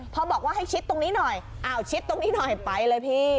พอบอกว่าให้ชิดตรงนี้หน่อยอ้าวชิดตรงนี้หน่อยไปเลยพี่